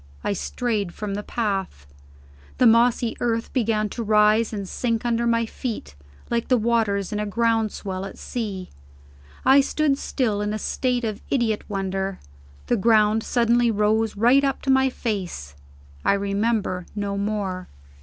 I strayed from the path. The mossy earth began to rise and sink under my feet, like the waters in a ground swell at sea. I stood still, in a state of idiot wonder. The ground suddenly rose right up to my face. I remember no more.